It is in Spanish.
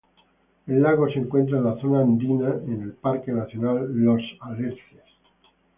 El lago se encuentra en la zona andina en el Parque nacional Los Alerces.